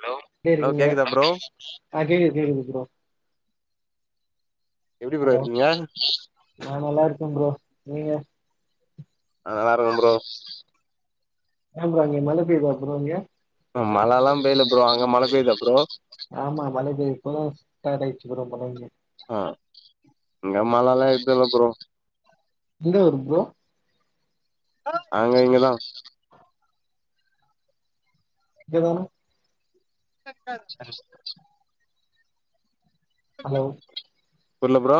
Hello hello சேரிங்க கேக்குதா bro ஆ கேக்குது கேக்குது ப்ரோ எப்டி ப்ரோ ஹலோ இருக்கீங்க நா நல்லா இருக்கே ஃப்ரோ நீங்க நல்லா இருக்கு ஃப்ரோ அ ப்ரோ அங்க மேல போய் பாத்துடுவாய்ங்க மழ எல்லா பெய்ல ஃப்ரோ அங்க மழ பெய்தா ஃப்ரோ ஆமா மழ பெய்ய இப்ப தா ஸ்டார்ட் ஆயிடுச்சு ப்ரோ மழ பெய்ய அ இங்க மழ எல்லா எதும் இல்ல ப்ரோ எந்த ஊரு ப்ரோ அங்க இங்கதா இங்கதானா [inaudible] ஹலோ புர்ல bro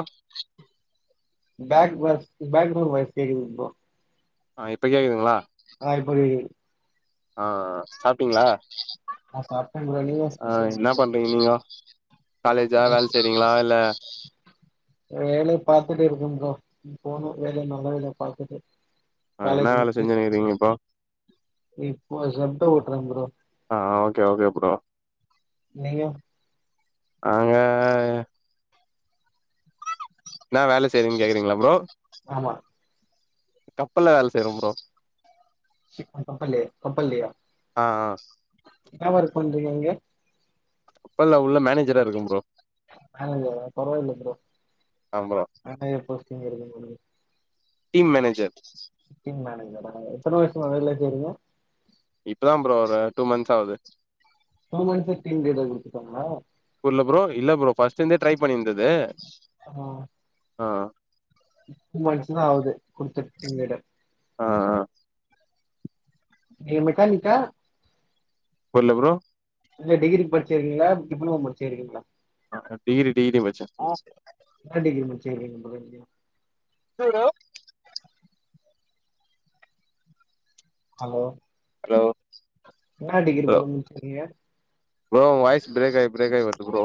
back voice background voice கேக்குதுங் ப்ரோ ஆ இப்ப கேக்குதுங்ளா அ இப்ப கேக்குது ஆ சாப்ட்டீங்ளா நா சாப்ட்ட ப்ரோ நீங்க அ என்ன பண்றீங்க நீங்கோ காலேஜா ஹலோ வேல செய்றீங்ளா இல்ல வேலை பாத்துட்டு இருக்கே ப்ரோ போணு வேலை நல்ல வேலையா பாத்துட்டு ஆ காலேஜ் என்ன வேல முடிச்சு செஞ்சுனுக்கிறீங்க இப்போ இப்போ சப்டு ஓட்றே ப்ரோ ஆ ஓக்கே ஓக்கே ப்ரோ நீங்க ஆங்க என்னா வேலை செய்றீங்கன்னு கேக்குறீங்ளா ப்ரோ ஆமா கப்பல்ல வேல செய்றேம் ப்ரோ ஷிப் கப்பல்லே கப்பல்லேடா ஆ ஆ நா ஓர்க் பண்றீங்க அங்கே பல்ல உள்ள மேனேஜரா இருகம் ப்ரோ ஹலோ பரவாயில்லை ஃப்ரோ ஆ ப்ரோ ஆனா இப்போசிங்க இருக்கு ஃப்ரோ டிம் மேனேஜர் டீம் மேனேஜரா எத்தன வருஷமா வேலே செய்றீங்க இப்பதாம் ப்ரோ ஒரு டூ மந்த்ஸ் ஆவுது டூ மனிஸ்ல டீம்லிடர் குடுத்துட்டாங்ளா புரில ஃப்ரோ இல்ல ஃப்ரோ ஃபர்ஸ்ட் இதுந்தே ட்ரை பண்ணியிருந்துது ம் ஆ டூ மன்ஸுதா ஆவுது குடுத்துட் டீம் லீடர் ஆ ஆ நீங்க மெக்கானிக்கா புரில ஃப்ரோ இல்ல டிகிரி படிச்சிருக்கீங்ளா டிப்ளோமோ படிச்சிருக்கீங்ளா ஆ டிகிரி டிகிரி பச்சே என்ன டிகிரி முடிச்சுகிறீங்க ப்ரோ நீங்க [unintelligible] ஹலோ ஹலோ இன்னா டிகிரி ப்ரோ முடிச்சிருக்கீங்க ப்ரோ உங்க வாய்ஸ் பிரேக் ஆயி பிரேக் ஆயி வருது ப்ரோ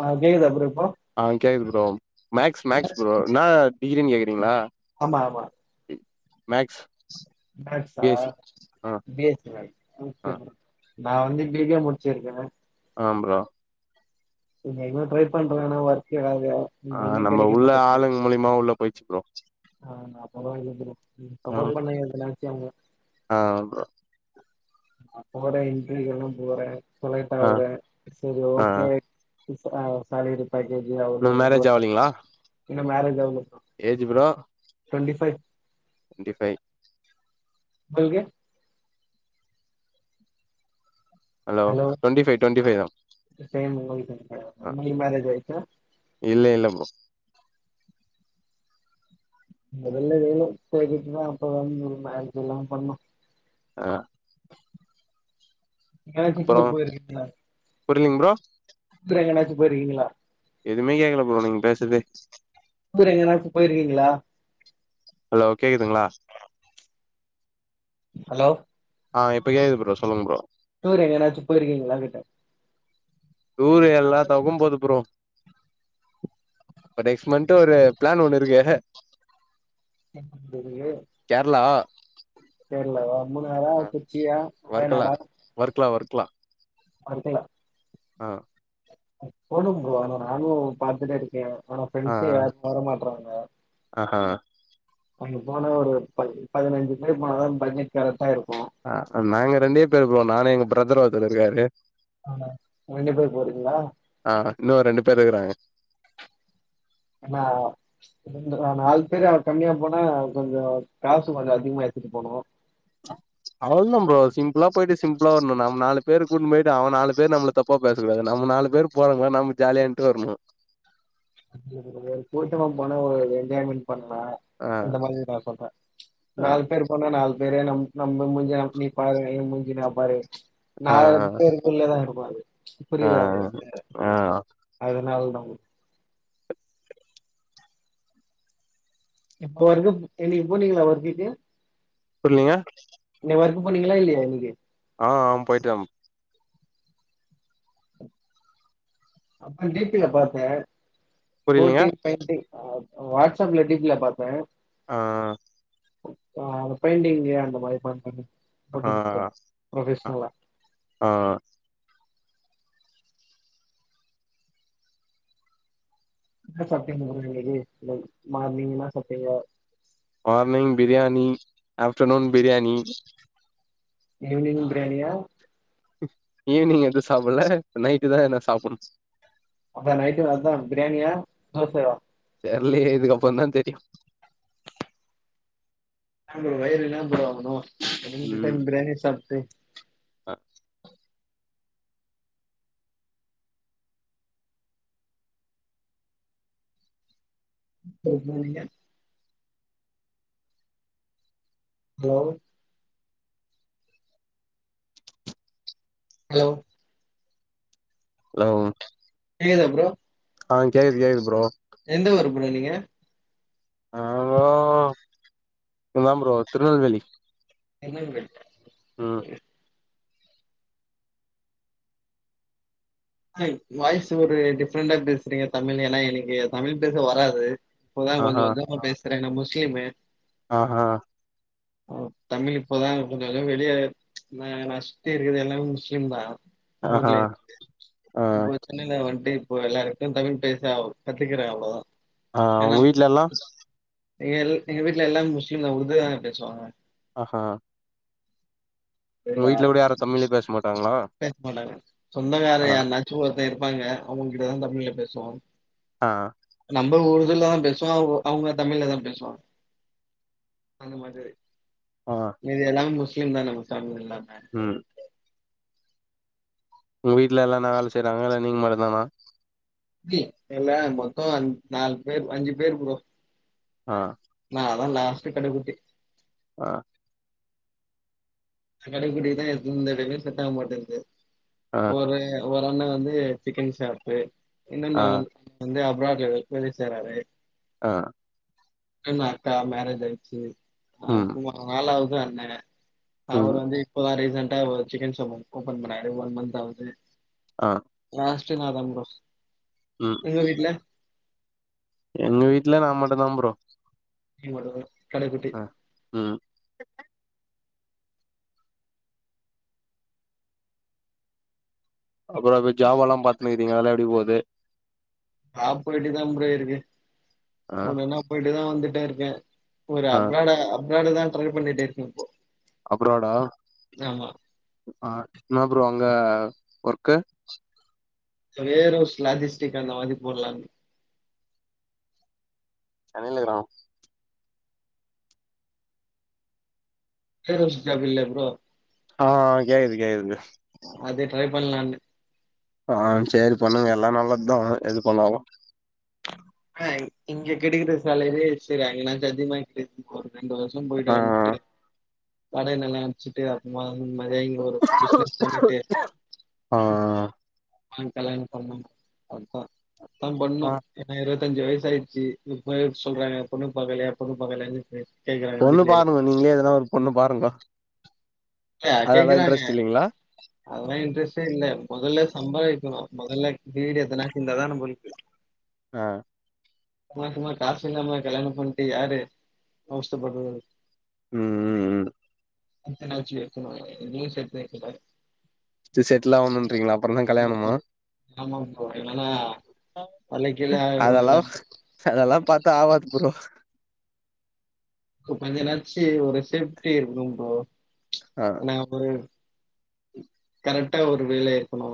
ஆ கேக்குதா ப்ரோ இப்போ ஆ கேக்குது ப்ரோம் மேக்ஸ் மேக்ஸ் ப்ரோ னா டிகிரின் கேகுறீங்ளா ஆமா ஆமா மேக்ஸ் மேக்ஸா பி எஸ் சி ஆ பி எஸ் சி ஆ மேக்ஸ் நா வந்து பீ கா ம் முடிச்சிருக்கே ஆம் ப்ரோ கொஞ்சோ இன்னு ட்ரைப் பண்றே ஆனா ஒர்க்கு எதாவ்தா ஆ நம்ம உள்ள ஆளுங் மூலிமா உள்ளப் போயிட்ச்சி ப்ரோ ஆ அப்பனா ஓகே ஃப்ரோ ம் ஆ சப்போட் பண்ணங்க எதனாச்சு அவுங்க ஆ ப்ரோ அப்போட இன்டெர்வியூகெல்லாம் போறே சொலைட் ஆ ஆவுறே செரி ஆ ஓகே [unintelligible] பேக்கேஜி இன்னு அவ்ளோ மேரேஜ் இவ்ளோச இன்னும் மேரேஜ் ஆவ்ல bro age bro twenty five ண்டி ஃபை பில்கே hello twenty five twenty five தா [unintelligible] ஆ உங்ளுகு மேரேஜ் ஆயிர்ச்சா இல்ல இல்ல ப்ரோ மொதல்ல வேல தேடிட்டு தா அப்றோ மேரேஜில்லா பண்ணு அ எதாச்சு டூர் போயிருக்கீங்களா புரிலிங் ப்ரோ டூரு எங்கனாச்சு போயிருக்கீங்களா எதுமே கேக்கல ப்ரோ நீங்க பேசதே டூர் எங்கனாச்சு போயிருவீங்ளா ஹலோ கேக்குதுங்ளா ஹலோ ஆ இப்ப கேக்குது ப்ரோ சொல்லுங்க ப்ரோ டூர் எங்கனாச்சு போயிருக்கீங்ளான்னு கேட்ட டூரு எல்லா தக்கும் போது ப்ரோ ப்ப நெக்ஸ்ட் மந்த் ஒரு ப்ளான் ஒண்ணு இருக்கு என்ன ப்ரோ அது கேர்ளா கேர்ளா வா மூனாரா கொச்சியா வயநாடா வர்க்லா வர்க்லா வர்க்களா ஆ போணு ப்ரோ ஆனா நானு பாத்துட்டே இருக்கே ஆனா ஃப்ரெண்ட்ஸ்சே யாரும் வர மாட்றாங்க அ ஆ அங்க போனா ஒரு பதி பதினஞ்சு பேர் போனாதா பட்ஜெட் கரக்ட்டா இருக்கும் ஆ நாங்க ரெண்டே பேரு ப்ரோ நானு எங்க ப்ரதர் ஒருத்தர் இருக்காரு நானு ரெண்டு பேர் போறீங்ளா ஆ இன்னு ஒரு ரெண்டு பேர் இருக்குறாங்க என்னா ரெண்டு நாலு பேர் அதுக்கு கம்மியா போனா கொஞ்சோ காசு கொஞ்சோ அதிகமா எடுத்துட்டு போணு அவள்தா ப்ரோ சிம்ப்ளா போய்ட்டு சிம்ப்ளா வரணு நம்ம நாலு பேரு கூட்னு போயிட்டு அவ நாலு பேரு நம்மல தப்பா பேசக்கூடாது நம்ம நாலு பேர் போறமா நம்ம ஜாலியா இன்ட்டு வரணு அப்டி கெடையாது கூட்டமா போன ஒரு என்ஜாய்மெண்ட் பண்லா ஆ அந்த மாரி நா சொல்ற ஆ நாலு பேர் ன்னா நாலு பேர நம் நம்ம முஞ்ச நநீ பாரு ஏ முஞ்சு நா பாரு ஆ நாலு பேர் உள்ளதா இருப்பாரு ஆ புரியுதா உங்ளுக்கு ஆ ஆ அதுனால் தா இப்ப வரைக்கு நீங்க போனீங்ளா ஒரு டீடில் புர்லீங்க இன்னக்கி வர்க் போனீங்ளா இல்லயா இன்னக்கி ஆ ஆ போய்ட்டம் அப்ப டி பில பாத்தே புரிலீங்க கோட்டி ஆ வாட்ஸப்ல டீ பில பாத்த ஆ ஆ பெயிண்டிங்கு அந்த மாரி பாத்த ஆ ஆ ப்ரொஃபஷ்னலா ஆ என்ன சாப்ட்டிங்க ப்ரோ இன்னக்கி மார்னிங் என்னா சாட்டிங்கோ morning biryani afternoon biryani evening பிரியாணியா ஈவினிங் எது சாப்பல இப்ப நைட்டு தா எது சாப்பனு அப்ப நைட்டு அதா பிரியாணியா தோசயா தெர்லயே இதுக்கப்றந்தா தெரியு ந ப்ரோ வயறு என்ன ப்ரோ ஆகு ரெண்டு ம் டைம் பிரியாணி சாப்ட்டு அ எப்ப போனீங்க ஹலோ ஹலோ ஹலோம் கேக்குதா ப்ரோ ஆ கேக்குது கேக்குது ப்ரோ எந்த ஊரு ப்ரோ நீங்க ஆ அதா ப்ரோ திருநெல்வேலி திருநெல்வேலி ம் வாய்ஸ் ஒரு டிஃப்ரெண்டா பேசுறீங்க தமிழ் ஏன்னா எனக்கு தமிழ் பேச வராது இப்பதா கொஞ்ச ஆஹா கொஞ்சமா பேசுற நா முஸ்லீம்மு ஆஹா ஒ தமிழ் இப்பதா கொஞ்ச கொஞ்ச வெளிய நா நா சுத்தி இருக்குறது எல்லாமே முஸ்லிம் தா ஆஹா ஊர்லே ஆ இப்போ சென்னையில வந்துட்டு இப்போ எல்லாருக்கு தமிழ் பேசா கத்துக்கறா அவ்ளோ ஆ அவங்க வீட்ல எல்லா எங்க எ எங்க வீட்ல எல்லாமே முஸ்லீம்தா உருது தா பேசுவாங்க ஆஹா சரி உங்க டா வீட்ல கூட யாரு தமிழ்லே பேச மாட்டாங்களா பேச மாட்டாக சொந்தக்கார ஆ யார்னா சூரத்த இருப்பாங்க அவங்ககிட்டதா தமிழ்ல பேசுவோ ஆ நம்ம ஊருதுல தா பேசுவோ அவ அவங்க தமிழ்லதா பேசுவாங்க அந்த மாதிரி ஆ இது எல்லாமே முஸ்லிம் தான நம்ம பேமிலில எல்லாமே ம் உங்க வீட்ல எல்லா நல்லா வேல செய்றாங்க இல்ல நீங்க மட்டுதானா இல்ல மொத்த அஞ் நாலு பேர் அஞ்சு பேர் ப்ரோ ஆ நா தா லாஸ்ட் கட குட்டி ஆ கடக்குட்டிக்கு தா எந்தஇதுமே செட்டாக மாட்டங்குது ஆ ஒரு ஒரு அண்ண வந்து சிக்கன் ஷாப்பு ஆ இன்னொன்ன [inaudible] வந்து அப்ராட்ல தொழில் செய்ராரு ஆ இன்னொன்னு அக்கா மேரேஜ் ஆய்டுச்சு ஆ ம் [inaudible] நாலாவது அண்ணே அவர் ம் வந்து இப்போதா ரீசன்டா ஒரு சிக்கன் ஷாப் ஒன்னு ஓபன் பண்ணாரு ஒன் மந்த் ஆவுது ஆ லாஸ்ட்டு நா தா ப்ரோ ம் உங்க வீட்ல எங்க வீட்ல நா மட்டு தா ப்ரோ நீங்க மட்டுதா கடைகுட்டி ம் அப்புற இப்ப ஜாவால்லா பாத்துன்னு இருக்கிறீங்க அதெல்லா எப்டி போகுது ஆ போய்ட்டுதா ப்ரோ இருக்கு ஆ உன்னா என்னா போய்ட்டுதா வந்துட்டே இருக்கே ஒரு ஆ அப்ராட அப்ராடுதா ட்ரை பண்ணிட்டு இருக்கே இப்போ அப்ராடா ஆமா. அ என்னப்ரோ அங்க ஒர்க்கு சவேரோஸ் லாஜிஸ்டிக் அந்த மாதிரி [unintelligible] [unintelligible] ஏர் ஹோஸ்ட் ஜாப் இல்ல ப்ரோ ஆ ஆ கேக்குது கேக்குது அது ட்ரை பண்ணலாம்னு ஆ செரி பண்ணுங்க எல்லா நல்ல தா எது பண்ணாலு ஆ இங்க கெடக்கிற செலரி செரி அங்கனாச்சி அதிகமா கிடை இப்ப ஒரு ரெண்டு வர்ஷ ஆ போய்ட்டு வந்துட்டு [unintelligible] வச்சிடு அப்புறமா நிம்மதியா இங்க ஒரு பிசினஸ் பண்ணிட்டு ஆ ஆ கல்யாண பண்னு அதா அத்தா பண்ணு ஆ எனக்கு இருவத்தஞ்சி வய்சு ஆயடுச்சு இப்பவே சொல்றாங்க பொண்ணு பாக்கலையா பொண்ணு பாக்கலையாண்டு பொண்ணு பாருங்க நீங்களே எதனா ஒரு பொண்ணு பாருங்க அதெல்லா இன்ட்ரெஸ்ட் இல்லைங்களா அதெல்லா இன்ட்ரெஸ்டே இல்ல மொதல்ல சம்பாதிக்கணு மொதல்ல வீடு எத்தனாச்சி இருந்ததா நம்போலுக்கு ஆ சும்மா சும்மா காசுல்லாம கல்யாண பண்ட்டு யாரு அவஸ்தப்படுறது ம் ம் ம் கொஞ்சனாச்சி யோ [inaudible] எதையு சேத்து வைக்கில செட்டில் ஆகும்ன்றீங்களா அப்பறோ தா கல்யாணமா ஆமாப்ரோ இல்லனா [unintelligible] இல்ல செலவுலா பாத்தா ஆவாது ப்ரோ கொஞ்சனாச்சி ஒரு செஃப்டி இருக்குனு ப்ரோ ஆ [unintelligible] ஒரு கரெக்டா ஒரு வேல இருக்கணு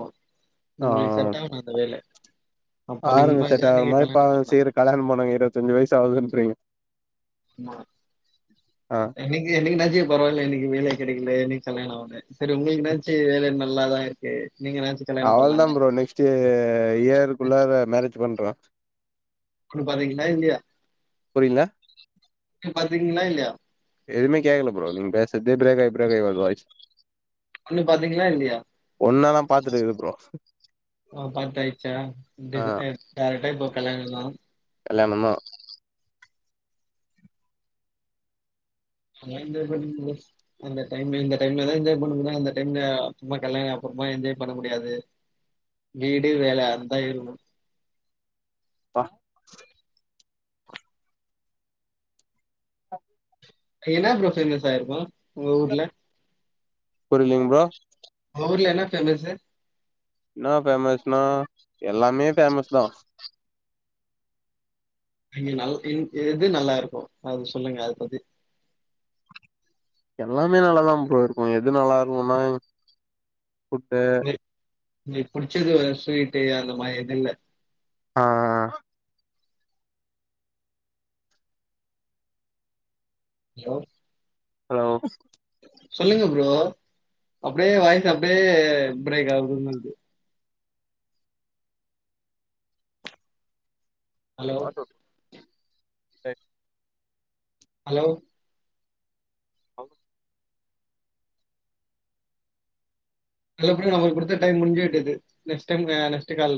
ஆ நம்முள்ட செட்டாவுனு அந்த வேல பாருங்க செட்டவுறமாரி கல்யாணம் பாருங்க பண்ணலாம். சீக்கிர கல்யாண பண்ணுங்க இருவத்தஞ்சி வய்சு ஆவுதுன்றிங்க ஆ என்னைக்கு என்னைக்கு நஞ்ச பரவாயில்ல எனக்கு வேல கிடைக்கல என்னக்கு கல்யாணம் ஆகல சேரி உங்களுக்கு ஏதாச்சு வேல நல்லாதா இருக்கு நீங்க அச்சு அவள தா ப்ரோ நெக்ஸ்ட் இயருக்குள்ள மேரேஜ் பண்ற கிரியூ பாத்தீங்களா இல்லையா பாத்தீங்கன்னா இல்லையா எதுவுமே கேக்கல ப்ரோ நீ பேசறதே பிரேக் ஆய் பிரேக் ஆய் வருது வாய்ஸ் பொண்ணு பாத்தீங்களா இல்லையா பாத்துட்டு இருக்கே ப்ரோ ஓ பாத்த ஆயச்சா டி ஆ டைரக்ட இப்போ கல்யாணம் தா கல்யாணம் தா [unintelligible] அந்த டைம் இந்த டைம்லதா என்ஜாய் பண்ண முடியும் அந்த டைம்ல அப்புறமா கல்யாணம் அப்புறமா என்ஜாய் பண்ண முடியாது. வீடு வேல அது தா இருக்கு ஆ [unintelligible] என்ன ப்ரோ ஃபேமவுஸ் ஆயிருக்கோம் உங்க ஊர்ல புரிலேங்க ப்ரோ உங்க ஊருல என்ன ஃபேமவுஸ் என்ன ஃபேமஸ்னா எல்லாமே ஃபேமஸ் தா இங்க நல்லா இது இது நல்லா இருக்கும் அது சொல்லுங்க அத பத்தி எல்லாமே நல்லாதா ப்ரோ இருக்கும் எது நல்லா இருக்கும்னா புட்டு நீ பிடிச்சது ஸ்வீட்டு அந்த மாதிரி ஏது இல்ல ஆ ஹலோ ஹலோ சொல்லுங்க ப்ரோ அப்படியே வாய்ஸ் அப்படியே பிரேக் ஆகுது மாதிரி இருக்கு ஹலோ [unintelligible] ஹலோ ஆ ஹலோ ப்ரோ நமக்கு கொடுத்த டைம் முடிஞ்சுட்டுது நெக்ஸ் டைம் நெக்ஸ்ட் கால்